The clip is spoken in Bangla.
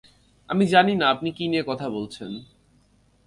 আমি জানি না আপনি কী নিয়ে কথা বলছেন!